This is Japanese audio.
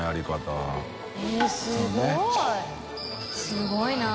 すごいな。